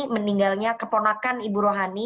meninggalnya keponakan ibu rohani